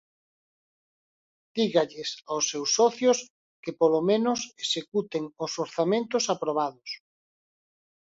Dígalles aos seus socios que polo menos executen os orzamentos aprobados.